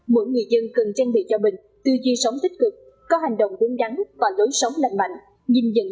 mỗi người dân cần trang bị cho bình tư duy sống tích cực có hành động đúng đắn và đối sống lạnh mạnh